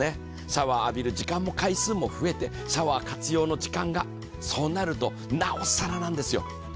シャワーを浴びる時間も回数も増えて、シャワーを活用しますね、そうなるとなおさらなんですよ。